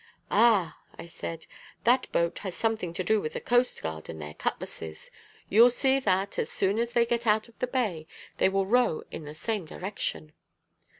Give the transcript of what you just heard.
"Ah!" I said, "that boat has something to do with the coast guard and their cutlasses. You'll see that, as soon as they get out of the bay, they will row in the same direction."